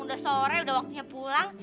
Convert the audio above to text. udah sore udah waktunya pulang